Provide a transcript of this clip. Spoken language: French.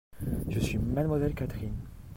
Je suis Mlle Catherine.